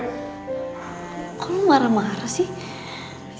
kok lu marah marah sih